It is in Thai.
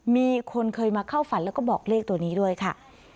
มีคนเคยมาเข้าฝันแล้วก็บอกเลขตัวนี้ด้วยค่ะ